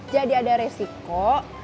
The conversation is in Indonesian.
jadi ada resiko